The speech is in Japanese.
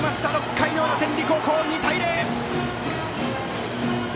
６回の裏の天理高校２対０。